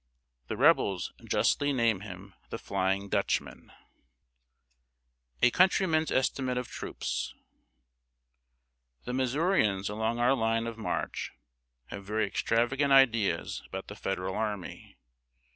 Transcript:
The Rebels justly name him "The Flying Dutchman." [Sidenote: A COUNTRYMAN'S ESTIMATE OF TROOPS.] The Missourians along our line of march have very extravagant ideas about the Federal army.